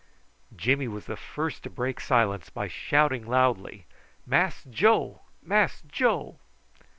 Jimmy was the first to break silence by shouting loudly: "Mass Joe! Mass Joe!"